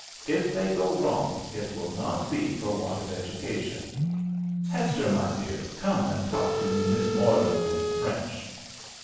If they go wrong, it will not be for want of education. Hester, my dear, come and talk to Miss Morland in French."